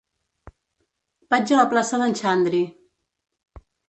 Vaig a la plaça d'en Xandri.